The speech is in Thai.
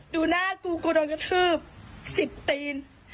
ดูหน้ากูกูโดนกระทืบ๑๐ตีน